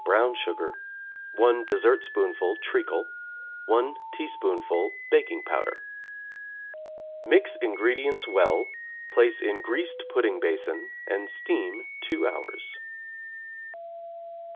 brown sugar, 1 dessertspoonful treacle, 1 teaspoonful baking powder. Mix ingredients well, place in greased pudding basin and steam 2 hours.